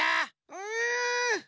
うん。